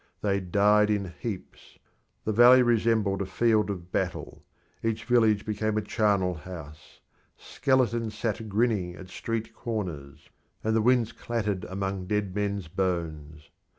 They died in heaps; the valley resembled a field of battle; each village became a charnel house; skeletons sat grinning at street corners, and the winds clattered among dead men's bones.